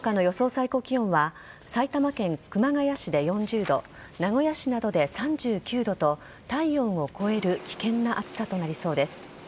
最高気温は埼玉県熊谷市で４０度名古屋市などで３９度と体温を超える危険な暑さとなりそうです。